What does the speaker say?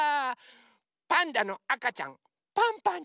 パンダのあかちゃんパンパンちゃん。